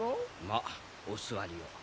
まあお座りを。